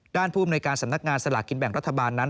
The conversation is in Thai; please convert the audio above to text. ด้านภูมิในการสำนักงานสลากกินแบ่งรัฐบาลนั้น